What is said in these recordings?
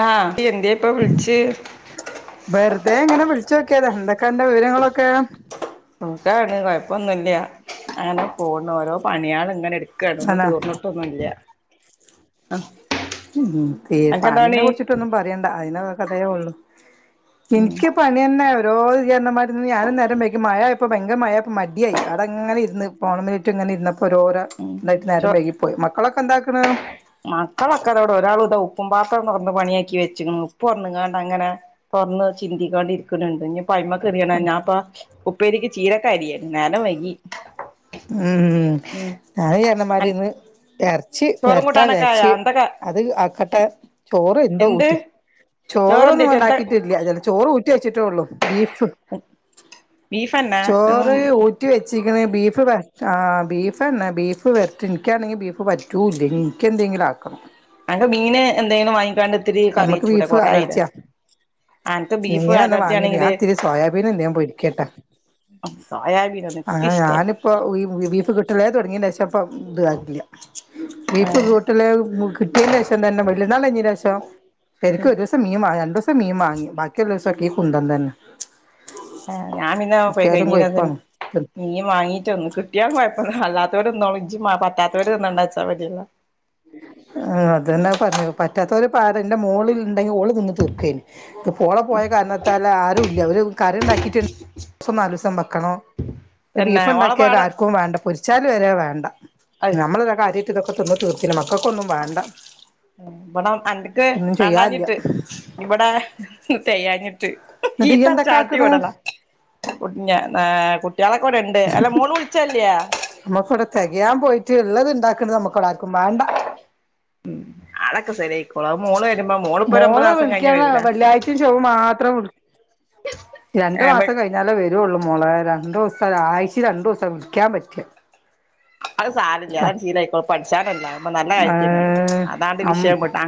ആഹ് അത് എന്തിയേ ഇപ്പ വിളിച്ച് വെറുതെ ഇങ്ങനെ വിളിച്ചു നോക്കിയതാ എന്തൊക്കെ അന്റെ വിവരങ്ങളൊക്കെ സുഖാണ് കുഴപ്പമൊന്നുല്ല അങ്ങനെ പോണ് ഓരോ പണിയാളും ഇങ്ങനെ എടുക്കാണ് ഒന്നും അല്ല തീർന്നിട്ട് ഒന്നൂല്ല ഉം തീ അനക്കെന്താ പണിനെ പണി കുറിച്ചിട്ടൊന്നും പറയണ്ട അതിനൊള്ള കഥയേ ഉള്ളു ഉം എനിക്ക് പണി തന്നെ ഓരോ യ്യ് പറഞ്ഞമാതിരി ഞാനും നേരം വൈകി മഴ ആയപ്പോ ഭയങ്കര മഴ മടിയായി അവിടെ അങ്ങനെ ഇരുന്ന് ഫോണമലേറ്റ ഇങ്ങനെ ഇരുന്നപ്പോ ഓരോരോ- ഉം എന്തായിട്ട് ചോ നേരം വൈകിപ്പോയി മക്കളൊക്കെ എന്താക്ക്‌ണ് മക്കളൊക്കെ ഇതവിടെ ഒരാൾ ഉതവു ഉപ്പും പാത്രം തുറന്ന് പണിയാക്കി വെച്ചക്കണ് ഉപ്പ് തുറന്നങ്ങാണ്ട് അങ്ങനെ തുറന്ന് ചിന്തികാണ്ടിരിക്കുന്നുണ്ട് ഇനി പയ്മ കറിയാണ് ഞാൻപ്പാ ഉപ്പേരിക്ക് ചീരക്കരിയാരുന്നു നേരം വൈകി. ഉം ഉം അതും ഇയ്യ് പറഞ്ഞ മാതിരി അൻ ഇന്ന് എറ ച്ചി ചോറും വരട്ടാ കൂട്ടാനൊക്കെ ആയാ വിചാരിച്ചു എന്തൊക്കെ അത് എ ആക്കട്ടെ ചോറ് എന്തോ എന്ത് ഊറ്റ് ചോറൊന്നും ചോറെന്തേറ്റി എന്താ ഉണ്ടാക്കിട്ടില്ല ച ചോറ് ഊ റ്റി വച്ചിട്ടേ ഉള്ളൂ ബീഫ് ബീഫെന്നെ ചോറ് ഉം ഊ റ്റി വെച്ചിരിക്കുന്നത് ബീഫ് ആഹ് ബീഫ് തന്നെ ബീഫ് വരട്ട് എനിക്കാണെങ്കിൽ ബീഫ് പ പറ്റൂല്ല ഇനി എനിക്ക്‌ എന്തെങ്കിലും ആക്കണം അനക്ക് മീന് എന്തേലും വാങ്ങിക്കാണ്ട് ഇത്തിരി കറി നമ്മക്ക് വെച്ചൂടെ ബീഫ് കൊറായില്ലേ അലർജിയാ അനക്ക് ബീഫ് മീൻ ഒന്നും അലർജി വാങ്ങീല്ല ആണെങ്കില് ഞാൻ ഇത്തിരി സോയാബീൻ എന്തങ്കിലും പൊരിക്കട്ടെ സോയാബീനൊന്നും ഇക്ക് ആഹ് ഇഷ്ടല്ല ഞാനിപ്പോ ബീഫ് കിട്ട ള്ള തുടങ്ങിയേഷം പ്പം ഇതു ആകില്ല ബീഫ് കൂട്ട കിട്ടിയതിന്റെ ശേഷം തന്നെ വലിയ പെരുന്നാൾ കഴിഞ്ഞ ശേഷം ഉം ശെരിക്കും ഒരു ദിവസം മീന് രണ്ടു ദിവസം മീമാങ്ങി ബാക്കിയുള്ള ദിവസംക്കെ ഈ കുന്തം തന്നെ ആഹ് ഞാപിന്നെ പോയി കിട്ടിയാലും കഴിഞ്ഞി കൊഴപ്പാണ് [unintelligible] മിമാങ്ങി തന്നു കിട്ടിയാ കൊയപ്പ അല്ലാത്തോ ല് തിന്നോളും ഇജ് പറ്റാത്തതോര് തിന്നണ്ടാച്ചാ മതി എല്ലോ ആഹ് അതന്നേ പറഞ്ഞത് പറ്റാത്തോരാ പ്പ ആരാ എന്റെ മോള് ഉണ്ടെങ്കിൽ ഓള് നിന്ന് തീർക്കേനി ഇക്ക്‌ പോളെ പോയ കാരണത്താൽ ആരും ഇല്ല ഒര് കറി ഉണ്ടാക്കിട്ടുണ്ട് ദിവസം നാല് ദിവസം വെക്കണം തന്നെ ബീഫ് ഓളെ ഉണ്ടാക്കിയാലും പാടം ആർക്കും വേണ്ട പൊരിച്ചാലും വരെ വേണ്ട അഹ് നമ്മളിതൊക്കെ കാര്യായിട്ട് ഇതൊക്കെ തിന്നും തിന്ന് തീർത്തിരുന്നു മക്കൾക്ക്‌ ഒന്നും വേണ്ട ഇവിട അനക്ക് ഒന്നും ചെയ്യാനില്ല വേണ്ടാഞ്ഞിട്ട് ഇവിടെ തെകയാഞ്ഞിട്ട് എന്നിട്ട് ഇയ്യ് എന്തൊക്കെ ആക്കണ് ചീത്തർചാട്ടിവിടലാ കുട്ട്ഞ താ കുട്ട്യാളൊക്കെവട്ണ്ട് അല്ല മോള് വിളിചല്ലേ? നമക്ക് വ്ടെ തെകയാൻ പോയിട്ട് ഇള്ളത്ണ്ടാക്ണ്ത് നമ്ക്ക് വ്ടാർക്കും വേണ്ട ഉം അതക്കെ ശരി മോള് വിളിക്കാണ് വരൂലേ വെള്ളിയാചെ ചൊവ്വേമാത്രം വിളിക്കും രണ്ട് മാസം കയി യിഞാലെവരൊള്ളൂ മോളേ രണ്ടൂസം ഒരായ്ചെല് രണ്ടുസം വിളിക്കാ പറ്റ അസാരല്ല അതെ ശിലായ്ക്കോളും പഠിച്ചാനല്ലേ അപ്പ നല്ല കാര്യത്തിനല്ലേ ഏഹ് അതാണ്ട് അം വിഷയംവിടാ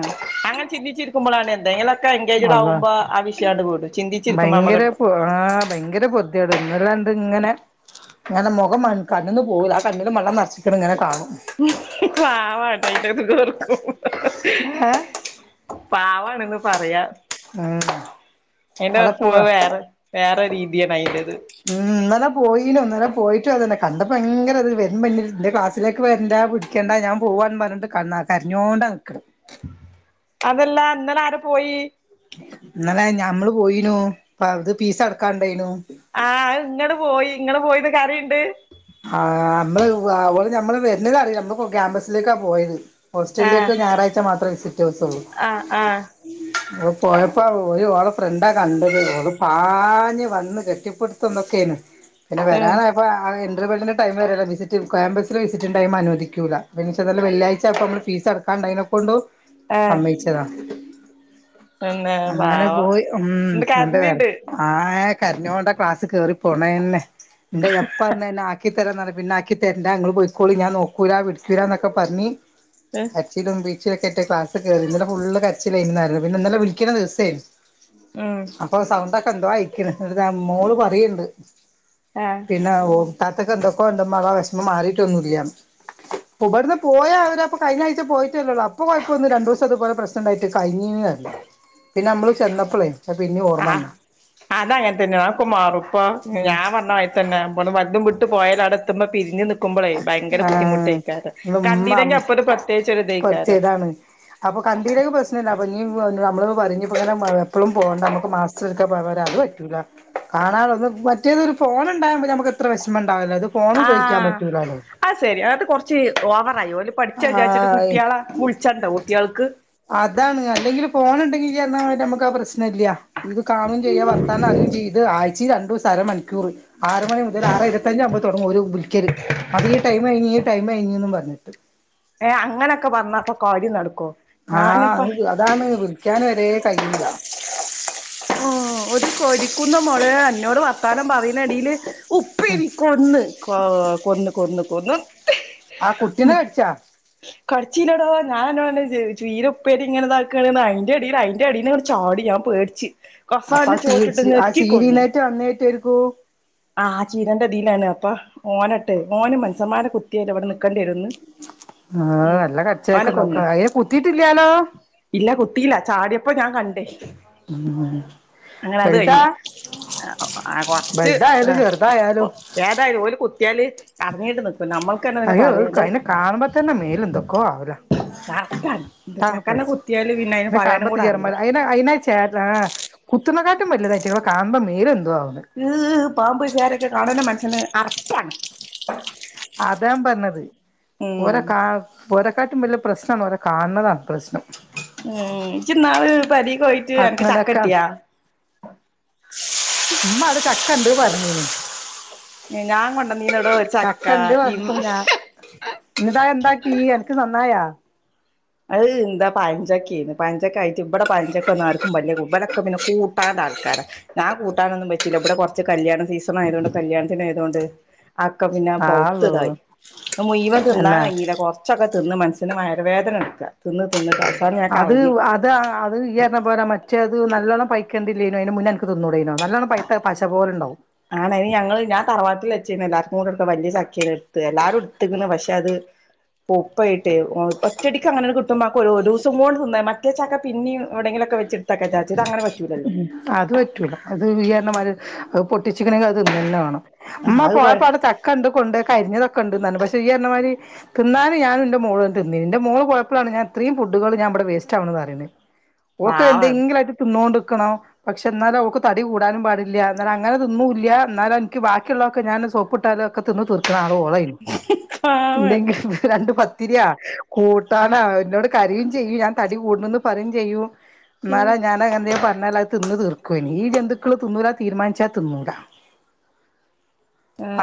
അങ്ങന ചന്തിച്ചിരിക്മ്പളാണ് എന്തേങ്കിലൊക്കെ അള്ളാ എങ്കേജടാവുമ്പോ ആ വിഷയണ്ട് വിടും ചിന്തിചിരിക്ക്മ്പള ഭയങ്കര ഞമ്മക്ക് ടെ ആഹ് ഭയങ്കരപൊറ്ദ്യെട് ഇന്നലണ്ട്ങ്ങനെ ഇങ്ങനെമൊഖം കണ്ണ്ന്ന് പോവുല കണ്ണില് വെള്ളം നെറച്ച്ക്ക്ണങ്ങനെ കാണും. പാവാണ് ട്ടോ അയ്‌ന്റെതൊർക്കുമ്പോ ഏഹ് പവാണ്ന്ന് പറയാ ഉം എയ്നെ അവിടെ വെക്കുമ്പ പോവാ വേറെ രീതിയാണ് അയിന്റത് ഉം ഇന്നലെ പോയീനു ഇന്നലെ പോയിട്ടു അതന്നെ കണ്ടപ്പോ ഭയങ്കരതില് വരമ്പന്റെതില് ന്റെ ക്ലാസ്സിലേക്ക് വരണ്ട ക്കണ്ടാ ഞാൻ പോവാന്ന് പറഞ്ഞിട്ട് കരഞ്ഞോണ്ടാ നിക്ണത് അതല്ല ഇന്നലാരെ പോയി ഇന്നലെ ഞമ്മള്പോയിനു അ അത് പീസടക്കാണ്ടെനു ആഹ് അ ഇങ്ങട് പോയി ഇങ്ങള് പോയിന്നന്ന് കരയിണ്ട്? ആഹ് മ്മള് അ ഓള് ഞമ്മള് വര്നതറിലാ നമ്മള് ക്യാമ്പസിലെക്കാ പോയത്. ആ ഹോസ്റ്റലിലേക്ക് ഞായറാഴ്ച മാത്രേ വിസിറ്റ് ദിവസുള്ളൂ. ആ ആ ഓള്പോയപ്പോ ഓര് ഓളെ ഫ്രണ്ടാ കണ്ടത് ഓള് പാഞ് വന്ന് കെട്ടിപ്പിട്ത്ത ത്തതൊക്കെന്ന്. പിന്നെ ഉം വരാനായപ്പഴാഞങ്ങള് ഇന്റർവ്യലിന്റെ ടൈംവരൊല്ല വിസിറ്റ് ക്യാമ്പസിലെ വിസിറ്റിങ് ടൈം അനുവദിക്കൂല. വിന്നചതല്ല വെള്ളിയാഴ്ചപ്പ മ്മള് ഫീസടക്കാൻണ്ടായിനകൊണ്ടു ആ സമ്മയ്ച്ച് ചതാ പിന്നെ അങ്ങനെ പാവം പോയി ഉം ണ്ട് ന്ന്ട്ട് കരഞ്ഞിണ്ട് ആഹ് കരഞ്ഞോണ്ട ക്ലാസ് കേറി പോണെന്നെ ന്റെഎപ്പന്നണ്ട് [unintelligible] ആക്കി തരാന്നറഞ് പിന്നാക്കിത്തരണ്ട ഇങ്ങള് പൊയ്ക്കോളി ഞാനോക്കൂലാ പിടിക്കൂലാന്നൊക്കെ പറഞ്ഞി എഹ്. കരച്ചിലും പിഴിച്ചിലൊക്കേറ്റാ ക്ലാസ് കേറിന്ന ഇന്നലെ ഫുള്ള് കച്ചിലേന്നു പറഞ് പിന്നെന്നലെ വിളിക്ണ ദിവസേന്ന് ഉം അപ്പൊ സൗണ്ടൊക്കെന്തോഅയ്ക്ക്ണ് ന്ന്ട്ടാ മോള് പറയിണ്ട്. ഏഹ് പിന്ന ഓ താത്തെക്കെന്തൊക്കെണ്ട്മ്മാ വെഷമം മാറിട്ടൊന്നുംല്ല. ഇബട്ന്ന് പോയാ അവ അപ്പൊഴിഞ്ഞ ആഴ്ച പോയിട്ടേല്ലോ അപ്പൊ കൊഴപ്പ ഒന്ന് രണ്ടു ദസം അതുപലെ പ്രശ്നം റ്റണ്ടായിട്ടേ കഴിഞീ നറയും പിന്നമ്മള് ചെന്നപ്പളെ പിന്നീഓർമ്മ വന്നാ അതങ്ങൻതന്നെ. അഹ്ക്കെമാറും പ്പൊ. ഉം ഞാ പറഞമാരി. ത്തന്നെ. വട്ന്ന് വറ്റും വിട്ട് പോയാല് ആടെ എത്തുമ്പം പിരിഞ് നി ക്കുമ്പളെ ഭയങ്കരെ ആഹ് ബുദ്ധിമുട്ടെയ്ക്കാരം. ഇവടെ ഉമ്മ കണ്ടീലെങ്കി അപ്പൊരു പ്രത്യേകിച്ചൊരിതേക്കാരം. അപ്പകണ്ടീലെങ്കി പ്രശ്നല്ല. അപ്പ ഞ്ഞി ഞമ്മള് പറയും. ഞ് പ്പങ്ങനെ എപ്പളും പോണ്ട. അമ്മക്ക് മാസ സൊരിക്ക പോയാമതി. അത് പറ്റൂല. കാണാള്ളത് മറ്റേതൊരു ഫോണ് ണ്ടായമതി. നമക്കെത്ര വെഷമണ്ടാവൂല. ആഹ്.. അഹ് സര്യാ. അത് കൊറച്ച് ഓവറായി. പഠിച്ചാരിച്ചിട്ട് ആഹ് കുട്ട്യാളാ വിൾച്ചണ്ടേ കുട്ട്യാൾക്ക്. അതാണ്. അല്ലെങ്കില് ഫോണ്ണ്ടെങ്കി യ്യ് ർഞ്ഞമാതിരി ഞമ്മക്കാ പ്രശ്നല്യ. ഇത് കാണും ചെയ്യാ. വർത്താനറിയും ചെയ്യാ. ഇത് ആഴ് ചേ രണ്ടൂസം അരമണിക്കൂറ്. ആറ് മണി മുതല്. ആറെ ഇരുപത്തഞ്ചാകുമ്പോ തൊടങ്ങും ഒര് വിളിക്കല്. മതീ ടൈംമയിഞ്ഞീ ടൈമയ്ഞീന്നും പറഞ്ഞിട്ട്. ഏഹ് അങ്ങനൊക്കെ പർഞ്ഞാപ്പൊ കാര്യം നടക്കോ? ആഹ് ഞാനിപ്പ അത് അതാണ്. വിളിക്കാന് വരെ കയ്യൂല. ആഹ് ഒരു കൊരിക്കുന്നമളെ അന്നോട് വർത്താനം പറയിണെടേല് ഉം ഉപ്പെരി കൊന്ന്. കൊ കൊന്ന് കൊന്ന് കൊന്ന്. ആഹ് കുട്ടിനെ കട്ച്ചാ. കടിച്ചീല ടൊ ഞാനോന്നൊട് ച്ചീ ചീരെപ്പേരി ങ്ങന താക്കേണ്ന്ന്. അയിന്റെ എടീല് അയ്ന്റെ എടീന്ന് ചാടി. ഞാൻ പേട്ച്ച്. കസാൽന്റെ ചോട്ടിട്ട് നെക്കിക്കൊന്നു. ട്ട്യേ ന്നേട്ടേരിക്കും. ആഹ് ചീരന്റെതിലാണ്. അപ്പൊ ഓനെട്ടേ. ഓന് മൻസന്മാരെ കു ത്തില്ലേ വടെ നിക്കേണ്ടിയെ രൊ ന്ന്. ആഹ് ഉം നല്ല കടിച്ചേക്കും ഓനെക്കൊന്ന്. നോക്ക അയിനെ കുത്തിയിട്ടില്ലാലോ ഇല്ല. കുത്തീല്ല. ചാട്യ പ്പൊ ഞാൻ കണ്ട്. ഉം അങ്ങനെ അത് വലുതാ കയ്ഞ്ഞ്. ആഹ് അഹ് കൊറ്ച്ച്. വലുതായാലും ഏഹ് ചെറുതായാലും ഏതാലും ഓല് കു ത്യാല് കറങ്ങീട്ട് നിക്കും. നമ്മൾക്കെന്നെ പിന്നെ അയ്യോ പറയാണ്ടെ. അതിനെ കാണുമ്പോ തന്നെ മേല് എന്തൊക്കോ ആവൂല കറക്റ്റാണ്. ന്റെ അതാണ് ചക്കനെ പ്രശ്നം കുത്യാല് പിന്നെ അയിന് പറയാനും കൂടെ അറിയൂല. കേ താ കുത്ത്ന കാട്ടിലും വലുതാ ഐറ്റെങളെ കാണുംപം മേല് ന്തോ ആവുന്നേ. ഹ് പാമ്പ് ചേരൊക്കെ കാണണ് മൻഷന് അറപ്പാണ്. അതാ ഞാ പറഞ്ഞത്. ഉം ഓരേ കാ ഒരെക്കാട്ടും വല്യ പ്രശ്നമാണ് ഓരെ കാണ്ന്നതാ പ്രശ്നം. ഉം ജിന്നാള് പെരീക്കോയിട്ട് അനക്ക് ചക്ക ട്ടിയാ. മ്മ അടെ ചക്കണ്ട് പറഞ്ഞീന്. ഏഹ് ഞാം കൊണ്ടേന്നീന്യ ടോ. ചക്കണ്ട് പറഞ്ഞപ്പോ ഞാ ഇന്നട്ടാ ന്താക്കി അനക്ക് നന്നായാ. അഹ് ന്താ പയഞ്ചക്കേന്ന്. പയഞ്ചക്ക ആയിട്ട് ഇവിടെ പയഞ്ചക്ക ഒന്നും ആർക്കും വലിയ കൂബലൊക്കെ പിന്നെ കൂട്ടാന്റെ ആൾക്കാരാ. ഞാം കൂട്ടാനൊന്നും വെച്ചില്ല. വടെ കുറച്ച് കല്യാണ സീസണായതൊണ്ട് കല്യാണത്തിന് ആയതൊണ്ട് ആക്കെ പിന്നെ പൗത്ത് ആള്ളോ തായി. മുയ് വൻ തിന്നാൻ തന്നെ കയ്ഞ്ഞില്ല കൊറ ച്ചൊക്കെ തിന്ന് മൻസ്സന് വയറ് വേദന ടുക്ക്വാ. തിന്ന് തിന്നിട്ട് അവസാനം ഞാൻ കളഞ്ഞു. ഇത് അത് ഈ പറഞ്ഞ പോല മറ്റേത് നല്ലോണ്ണം പൈക്കേണ്ടില്ലേനു. അയ്ന് മുന്നെ അനക്ക് തിന്നൂടേനോ. നല്ലോണം പൈത്ടാ പശ പോലെ ണ്ടാവും. ആണ്. ഐന് ഞങ്ങള് ഞാൻ തറവാട്ടിലെച്ചെന്ന് എല്ലാർക്കും കൂടെടുക്ക. വലിയ ചക്കേന്ന് ടുത്തേ എല്ലാരും എട്ത്തുക്കണ്. പക്ഷെ അത് പൗപ്പായിട്ടേ. ഒഹ് ഒറ്റടിക്ക് അങ്ങനെ കിട്ടുമ്പോ ഒരൂസം കോണ്ട് ത് ന്നാ മറ്റേ ചക്ക പിന്നേം എവിങ്കിലൊക്കെ വെച്ച് ടുത്തക്ക വിചാരിച്ച്. ഇതങ്ങനെ പറ്റൂലല്ലോ. അത് പറ്റൂല. അത് യ്യ് പറഞ്ഞ മാരി അത് പൊട്ടിച്ചിക്കണെങ്കി അത് തിന്നന്നേ വാണം. മ്മ അത് പോഴപ്പോ ആടെ ചക്കണ്ട് കൊണ്ട് ക്കൊ അരിഞ്ഞതക്കെ ഉണ്ട്ന്നു. പക്ഷെ യ്യ് പറഞ്ഞ മാതിരി തിന്നാന് ഞാനും ന്റെ മോളും തിന്നീനി. ന്റെ മോള് പോയപ്പളാണ് ഞാൻ ഇത്രീം ഫുഡുകൾ ഞാൻ ഇവടെ വേസ്റ്റ് ആവുന്നത് അറീണത്. ഓക്ക് പാവാണ് എന്തെങ്കിലായിട്ട് തിന്നോണ്ട്ക്കണം. പക്ഷെ ന്നാലോ ഓക്ക് തടി കൂടാനും പാടില്ല ന്നാല് അങ്ങനെത് ന്നും ല്ലാ ന്നാലോ ഇൻക്ക് ബാക്കിയുള്ളതൊക്കെ ഞാന് സോപ്പിട്ടാലോ ക്കെ ത് ന്ന് തീർക്കണ ആള് ഓളെനി പാവാണ് ന്തെങ്കിലും രണ്ട് പത്ത് ത്തിരിയാ കൂട്ടാണൊ ന്നോട് കരയും ചെയ്യും ഞാൻ തടി കൂടീന്ന് പറയും ചെയ്യും ന്നാലോ ഞാൻ എന്തെം പറഞ്ഞാലത് തിന്ന് തീർക്കും ഈ ജന്തുക്കള് തിന്നൂലാ തീരുമാനിച്ചാ തിന്നൂലാ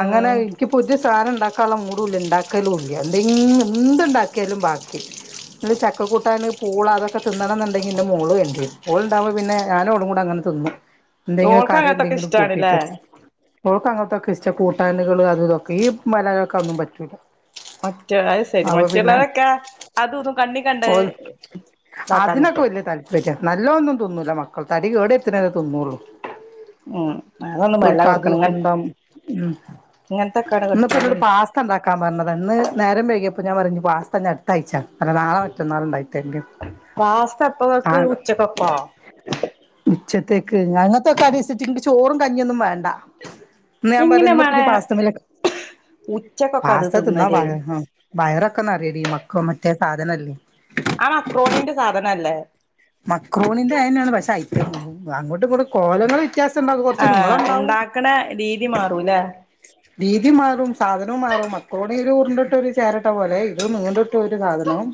അങ്ങനെ ക്ക് പുതിയ സാനം ണ്ടാക്കാള്ള മൂടുംല്ലാ ണ്ടാക്കലും ല്ല എന്തെങ്കിലും എന്ത് ണ്ടാക്കിയാലും ബാക്കി ന്ന് ചക്കകൂട്ടാന് പൂള അതൊക്കെ തിന്നണം ന്നുണ്ടെങ്കി ന്റെ മോളു വെരണം ഓളണ്ടാവുംമ്പോ പിന്നെ ഞാനുംഓളും കൂടെ അങ്ങനെ തിന്നും എന്തെങ്കിലും ഓൾക്ക് കാറിയോ അങ്ങനത്തൊക്കെ എന്തെങ്കിലും ഇഷ്ടാണ്ല്ലേ കൂട്ടിട്ട് ഓൾക്ക് അങ്ങനത്തൊക്കെ ഇഷ്ടാ കൂട്ടാനകള് അത് ഇതൊക്കെ ഈ മലാള്കൾക്ക് ഒന്നും പറ്റൂല്ല മറ്റ അത് ശെരി മറ്റുള്ളൊരൊക്കെ അത് ദും കണ്ണീ കണ്ടത് ഓൽ അതിനൊക്കെ വല്യ താല്പര്യാ നല്ലതോന്നും തിന്നൂല മക്കൾ തടി കേട്ർത്ത്നേ തിന്നോള്ളു ഉം അതൊന്നും വല്ലാ ഓന്ക്ക്‌ അത് കൊടുക്കണം ഇങ്ങ കുന്തം ഉം ഇങ്ങനത്തൊക്കെയാണ് ന്ന് പ്പോ ന്നോട് കൊടുത്താല് പാസ് ത്താ ണ്ടാക്കാൻ പറഞ്ഞതാ ഇന്ന് നേരം വൈകിയപ്പോ ഞാൻ പറഞ്ഞു പാസത ഞ്ഞി അടുത്തായ്ച്ചാ അല്ല നാളെ മറ്റന്നാള് ണ്ടായക്കി ത്തേരണ്ട് ന്ന് പാസ്ത എപ്പക്കേക്ക് ഉച്ചക്കൊക്കോ ഉച്ചത്തേക്ക് അങ്ങനത്തൊക്കെ അത് സട്ട ഇങ്ങ് ചോറും കഞ്ഞിഒന്നും വേണ്ട ന്ന് ഞാൻ പറഞ് എങ്ങനെ ന്ന് പ്പോ ഞ്ഞി മളെ പാസ്തന്നുല്ല ഉച്ചക്കൊക്കെ അത് പാസ്ത തിന്നാ തിന്നല് [unintelligible] വയറൊക്കേ നെറയടി മക്ക മറ്റേ സാധനല്ലേ ആ മക്രോണിന്റെ സാധന അല്ലേ മക്രോണിന്റെ അയന്നേണ് പക്ഷെ അം അങ്ങോട്ടുങ്ങട്ടും കോലങ്ങൾ വ്യത്യാസ ണ്ടാവും കൊർച്ച് ആഹ് നീളണ്ടാവും ഇണ്ടാക്കണ രീതി മാറൂലേ രീതി മാറും സാധനോം മാറും മക്രോണിഒരു ഉർണ്ട്ട്ടൊരു ചേരട്ട പോലെ ഇത് നൂൽ ഒരു സാധനവും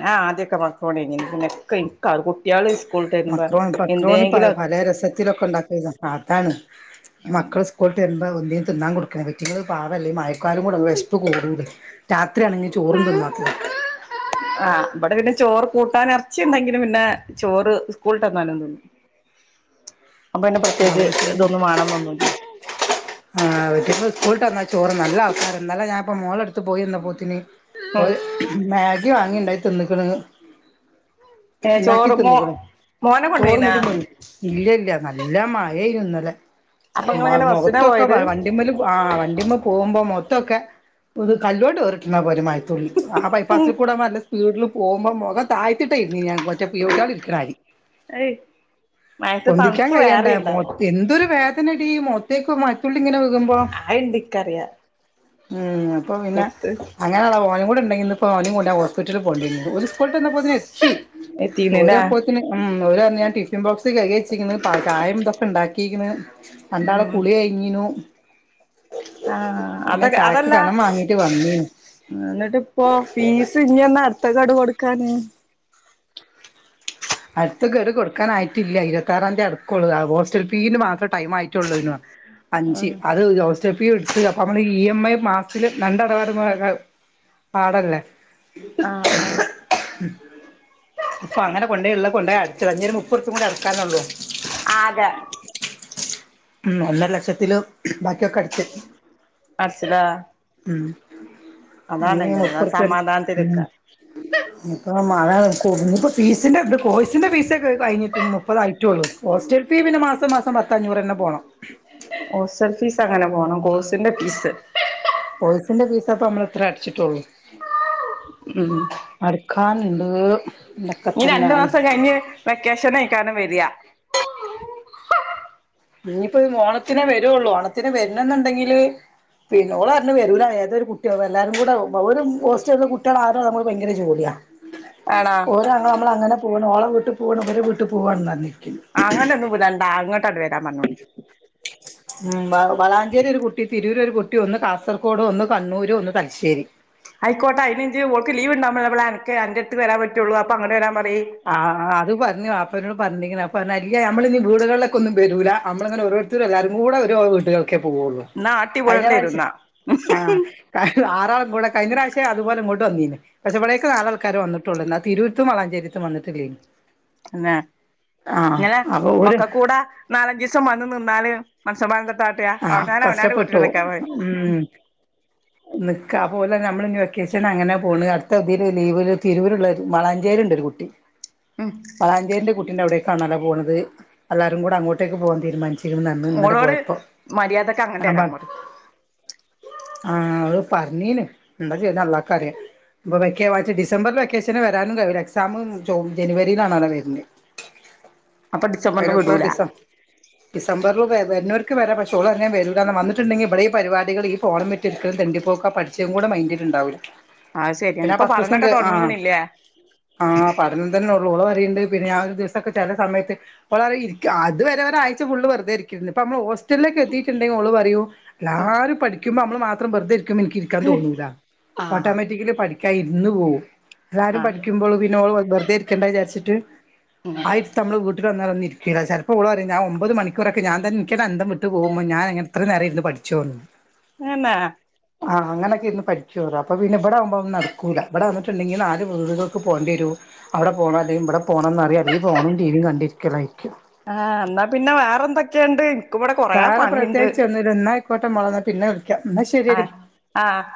ഞാ ആദ്യൊക്കെ മക്രോണി തിന്നീന്ന് പിന്നൊക്കെ കുട്ട്യാള് സ്കൂൾട്ടെരുമ്പ എന്തെങ്കിലും ഒത്തിരൊക്കെ ഉണ്ടാകൊള്ളു അതാണ് ഈ മക്കൾ സ്കൂള്ട്ട് വെരുമ്പോ ന്തേലും തിന്നാൻ കൊട് ക്ക്ണത് അയിറ്റേള് പാവല്ലേ മയക്കാലം കൂടെ വിഷ്പ് കൂട്ണ്ടേയ് രാത്രിയാണെങ്കി ചോറുംന്നാത്തത് ആഹ് ബടെ ടെ പിന്നെ ചോറ് കൂട്ടാൻ ഇറച്ചിണ്ടെങ്കില് പിന്നെ ചോറ് സ്കൂള്ട്ട് വന്നാലും തിന്നും അപ്പ പിന്നെ പ്രത്യേകിച്ച് തൊന്നും വാണന്നൊന്നുല്ല ആഹ് വീട്ടിക്ക് സ്കൂള്ട്ട് വന്ന ചോറ് നല്ല ആൾക്കാര ന്നലെ ഞാനിപ്പോ മോളെട്ത്ത് പോയി വന്നപ്പോത്തിന് ഉം ഓല് മാഗി വാങ്ങിണ്ടാക്കി തിന്ന്ക്ക്ണ് ഏഹ് ണ്ടാക്കി ചോറ് മോ തിന്ന്ക്ക്ണ് മോനെ കൊണ്ടോയിനാ ചോറ്ന്ന്ട്ടും ത് ന്നു ഇല്ലല്ല നല്ല മയേയ്ന്നുന്നലെ അപ്പൊ ഇങ്ങളിങ്ങനെ ബസ്സിനാ മൊഖത്തൊ പോയത് വണ്ടിമ്മല് ആ വണ്ടിമ്മ പോകുമ്പോ മോത്തോക്കെ ഇത് കല്ലോട്ട് ഏർട്ട്ണ പോലെ തുള്ളി ആ ബൈപ്പാസിൽ കൂടെ നല്ല സ്പീഡിൽ പോക്മ്പോ മൊഖം തായ്ത്തിട്ടാ ഇര്ന്നിര്ന്ന് ഞാൻ മറ്റേ പിയ്യുട്ട്യേൾ ഇരിക്കണമാരി ഏയ് മഴയത്ത് പൊന്തിക്കാൻ തണുപ്പ് കയ്യണ്ട മ വേറെണ്ടാവും എന്തൊരു വേ നേടി മൊത്തേക്ക മ യത്തുള്ളിങ്ങനെ വ്ഗ്ഗ്മ്പോ അത്ണ്ട് ഇക്കറിയാ ഉം അപ്പൊ പിന്നെ പുത്ത് അങ്ങനെ ഓന് കൂടെയുണ്ടെങ്കിൽ ഇന്ന് ഇപ്പം ഓനേ കൊണ്ട് വീട്ടിൽപോകേണ്ടിവന്നെനെ ഓര് സ്കൂള്ട്ട് വന്നപ്പോതിനെ എത്തി ഓര് എത്തീന്ല്ലേ അപ്പോ ഉം ഓലർഞ് ഞാൻ ടിഫിൻ ബോക്സ് കൈകിച്ച്ക്ക്ണ് പ ചായീം തൊക്കെ ണ്ടാക്കീക്ക്ണ് രണ്ടാളെ ഉം കുളി കഴിഞ്ഞിനു ആഹ് അത പിന്നെ ചായക്ക് കനം വാങ്ങിട്ട് വന്നീനു ന്നിട്ട് ഇപ്പോ ഫീസ് ഇഞ്ഞുന്നാ അടുത്ത ഘടു കൊടുക്കാന് അടുത്ത ഘടു കൊട്ക്കാനായിട്ടില്ല ഇരുപത്താറാംതി അടകൊള്ളു ആ ഹോസ്റ്റൽ ഫീ മാത്രം ടൈം ആയിട്ടുള്ളെന് അഞ്ച് ആഹ് അത് ഹോസ്റ്റൽ ഫി ഇട്ത്ത് അപ്പൊ അത് മ്മന്ന് ഇ എം ഐ മാസില് രണ്ടടവട മുവായ്രാവും പാടല്ലേ ആഹ് ആഹ് ഉം അപ്പങ്ങനെ കൊണ്ടേള്ള കൊണ്ടയ് അട്ച്ചതാ ഞ്ഞിഒര് മുപ്പോർപ്പികൂടി അടക്കാനൊള്ളൂ ആകെ ഉം ഒന്നര ലക്ഷത്തില് ബാക്കിയൊക്കെ അടച്ച് അട്ച്ച്ലാ ഉം ഇനി അതാണെയ്ഞ്ഞല്ലോ സമാധാനത്തില്ക്ക ഇപ്പ മഴ കൊർഞ്ഞിപോ ഫീസിന്റെത് കോഴ്സിന്റെ ഫീസട് കയ്ഞ്ഞിട്ടും മുപ്പതായിറ്റൊള്ളൂ ഹോസ്റ്റൽ ഫീ പിന്നെ മാസം മാസം പത്തഞ്ഞൂറെന്നെ പോണം ഹോസ്റ്റൽ ഫീസ് അങ്ങനെ പോണം കോസിന്റെ ഫീസ് കോഴ്സിന്റെ ഫീസപ്പ അമ്മള് ത്ര അട്ച്ചിറ്റൊള്ളു ഉം അട്ക്കാന്ണ്ട് ഞി രണ്ട് മാസം കയ്ഞ്ഞ് വെക്കേഷനയ്ക്കാരം വെര്യ ഇഞിപ്പോ മോണത്തിനാ വരൊള്ളൂ ഓണത്തിന് വര്നംന്ന്ണ്ടെങ്കില് പി ഓളർഞു എരൂല ഏതൊരു കുട്ട്യോ വല്ലാരും കൂട വ്വ വ ഒരു മോസ്റ്റ്ൻ്റല്ലും കുട്ട്യേളാ ആരാ അമൾക്ക് ഭയങ്കര ജോട്യാ ആണോ ഓരാങ്ങള അമ്മളെ അങ്ങനെ പോണ് ഓളെ വീട്ട് പോണ് ഓരെ വീട്ട് പോവാണന്നർഞ് ര്ക്ക്യേന്നു അങ്ങനന്നും വ്ടണ്ടാ ഇങ്ങട്ടണ്ട് വരാം പർഞ്ഞോണ്ടി ഉം വള വളാഞ്ചേരി ഒര് കുട്ടി തിരൂരൊരു കുട്ടി ഒന്ന് കാസർകോട് ഒന്ന് കണ്ണൂര് ഒന്ന് തലശ്ശേരി ഐക്കോട്ട ഐന്ജ് ഓൾക്ക് ലീവ്ണ്ടാവ്മ്പളേ ബളേ അൻക്ക് അന്റെര്ത്ത്ക് വരാപറ്റൊള്ളൂ അപ്പ അങ്ങനെ വരാപറിയ് ആഹ് അത് പർഞ്ഞു വാപ്പനോട്‌ പറഞ്ഞീക്ക്ണ് അപ്പർണു അല്ല്യ നമ്മളിനി വീടുകൾളക്കെ ഒന്നും വരൂല അമ്ള്ങ്ങന ഓരോ ത്ത് രല്ലാരും കൂടെ ഒരു ഓഹ് വീട്ട്കൾക്കേ പോവൊള്ളൂ എന്നാ ആട്ടി വിടേണ്ടി വരും അയ്ഞ്ഞറാഴ്ശ്ശ എന്നാ ആഹ് ആരാൾ കൂടെ കയ്ഞ്ഞ റാശ്യ അത്പോലെ ഇങ്ങോട്ട് വന്നീന്നെ പക്ഷേ വ്ളേക്ക് നാലാൾക്കാര വന്ന്ട്ടൊള്ളൂ ന്നാ തിരൂര്ത്തും വളാഞ്ചേരിത്തും വന്ന്ട്ടില്യേനു എന്നേ ഇങ്ങനെ അപ്പൊ ഓര് ഒക്കകൂടാ നാലഞ്ചീസം വന്ന് നിന്നാല് മൻസമാരന്തത്താട്ടാ ആഹ് അവര്രേനെ അവനവന്റെ വീട്ടില് കഷ്ടപ്പെട്ടു നിക്കാ പോയി ഉം ന്ന്ക്കാ അപോലർഞ്ഞു അമ്മള്ഞ് വെക്കേഷനങ്ങനെ പോണ് അട്ത്തതില് ലീവില് തിരൂരുള്ള മളാഞ്ചേയിണ്ടരു കുട്ടി ഉം പളാഞ്ചേര്ന്റെ കുട്ടിൻ്റവ്ടേക്കാണാല്ല പോണത് അല്ലാരും കൂടെ അങ്ങോട്ടേക്ക് പോം തീരുമാനിച്ച് ഒളോട് മര്യാദ ആഹ് പർ ആഹ് അവള് പറഞ്ഞീന് ന്താ ചെയ്ത് അള്ളാക്കറ്യാ ബൊ വെക്ക്യേ വാച്ച് ഡിസംബർല് വെക്കേഷന് വരാനും കരൂല എക്സാമ് ചൗ ജനുവരീലാണലോ വര്ന് [inaudible] [inaudible] ഡിസംബറില് പൈനക്കൂട വിടൂല ഡിസം ഡിസംബർലു കെ വര്നോര്ക്ക് വരാ പഷ് ചോളർഞ്ഞേ വരൂലാന്നാ വന്ന്ട്ട്ണ്ടെങ്കി ഇപടെ ഇപാരിപടികള് ഈ ഫോണ് മേറ്റ്ര്ക്കലും തെണ്ടിപ്പോക്ക പഠിച്ചത് ങ്കൂടെ മൈൻ്റ്ല്ണ്ടാവൂല അത് ശരിയാണ് പിന്നെ ഇപ്പൊ പഠനൊക്കെ പത്തുസംങ്ക് ആഹ് തുടങ്ങീണില്ലേ ആഹ് പ അന്തൻതന്നെ ഒള്ളോ ഓളപറയ്ണ്ട് പിന്നെ ഞാ ഒരു ദിവസൊക്കെ ചെല സമയത്ത് ഓളറ്യ ഇര്ക്കാ അത് വരെ ഒരാഴ്ച്ച ഫുള്ള് വെർതെ ഇര്ക്കേര്ന്നു പ്പ അമ്മള് ഓസ് ചല്ലേക്കെത്തിറ്റ്ണ്ടെങ്കി ഓള് പറയു ഉം ല്ലാരു പഠിക്ക്യുമ്പ മ്മൾ മാത്രം ബർതെര്ക്ക്യുമ്പൻ ഇൻക്ക് ഇരിക്കാൻ തോന്നൂല ആഹ് ഓട്ടോമാറ്റിക്കലി പഠിക്ക്യാ ഇര്ന്ന് പോവും രാരും ആഹ് പഠിക്ക്യുമ്പോള് പിന്നെ ഓള് വെർതെ ക്ക്യണ്ട വിജാര്ച്ചിട്ട് ഉം ആയിര്ത്തമ്മള് വീട്ട്ല് വന്നാലൊന്ന് ഇര്ക്കില ചെലപ്പോ ഓള് പറയും ഞാ ഒമ്പത് മണിക്കൂറക്കെ ഞാൻതൻ ഇൻക്ക്യന്നന്തം വിടും ട്ട് പോകുമോ ഞാനൻങ്ങനെത്ര നേരം ഇര്ന്ന് പഠിച്ചോന്ന് [unintelligible] മാ ആഹ് അങ്ങനൊക്കെ ഇര്ന്ന് പഠിക്ക്യോലോ അപ്പൊ പിന്നെ ഇവടെ ആവുമ്പോ ഒന്നും നടക്കൂല ഇവടെ വന്നിട്ടുണ്ടെങ്കിൽ നാല് വീട്കൾ ക്ക് പോണ്ടി വരും അവ്ടെ പോണം അല്ലെങ്ക ഇവടെ പോണംന്നറിയ അല്ലെങ്ക ഫോണും ടീ വിം കണ്ടിരിക്കലായി ആഹ് എന്നാ പിന്നെ വേറെ എന്തൊക്കെയുണ്ട് ഇൻക്ക് ഇവടെ കൊറേ പണിണ്ട് എന്നായിക്കോട്ടെ മൊളെന്നാ പിന്നെ വിളിക്കാ ഉംന്നാ ശരി ആഹ് ആഹ്